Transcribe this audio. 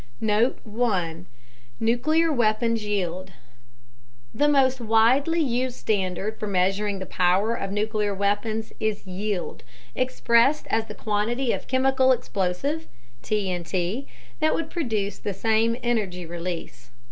Note 1: Nuclear Weapons Yield The most widely used standard for measuring the power of nuclear weapons is "yield," expressed as the quantity of chemical explosive (TNT) that would produce the same energy release.